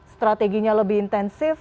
strateginya lebih intensif